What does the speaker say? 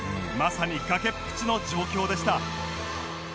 まさに崖っぷちの状況でした